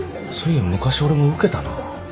そういや昔俺も受けたな。